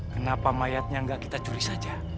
kenapa mayatnya nggak kita curi saja